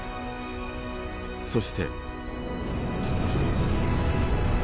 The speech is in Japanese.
そして。